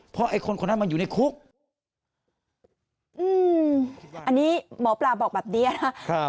เพราะไอ้คนคนนั้นมันอยู่ในคุกอืมอันนี้หมอปลาบอกแบบนี้นะครับ